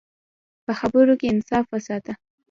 په خبرو کې انصاف وساته.